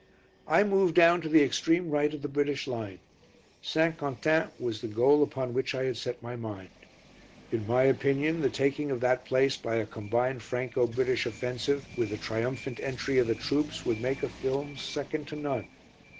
I moved down to the extreme right of the British line; St. Quentin was the goal upon which I had set my mind. In my opinion the taking of that place by a combined Franco British offensive with the triumphant entry of the troops would make a film second to none.